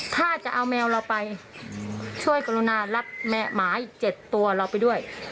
ถ้าจะเอาแมวเราไปช่วยกรุณารับแมวหมาอีก๗ตัวเราไปด้วย